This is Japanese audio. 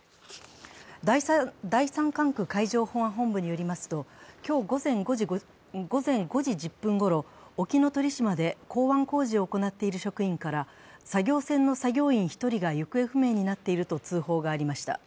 第三管区海上保安本部によりますと、今日午前５時１０分ごろ、沖ノ鳥島で港湾工事を行っている職員から作業船の作業員１人が行方不明になっていると通報がありました。